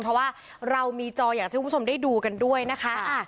เพราะว่าเรามีจออยากให้คุณผู้ชมได้ดูกันด้วยนะคะ